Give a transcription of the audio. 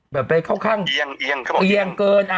แบบไปเข้าข้างเกิน